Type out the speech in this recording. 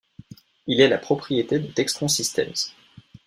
Il est la propriété de Textron Systems.